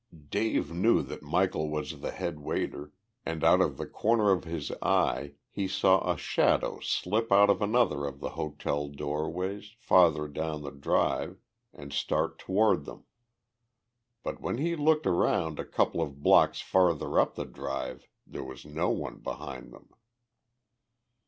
Dave knew that Michel was the head waiter, and out of the corner of his eye he saw a shadow slip out of another of the hotel doorways, farther down the Drive, and start toward them. But when he looked around a couple of blocks farther up the drive, there was no one behind them.